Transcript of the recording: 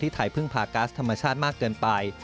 ไทยพึ่งพาก๊าซธรรมชาติมากเกินไป